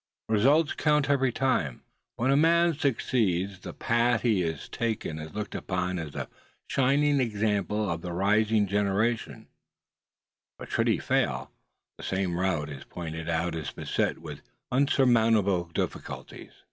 Results count every time. When a man succeeds, the path he has taken is looked upon as a shining example to the rising generation; should he fail, the same route is pointed out as beset with unsurmountable difficulties.